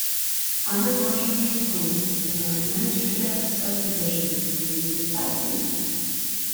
Under Portuguese rule, they were administrative subdivisions of the municipalities.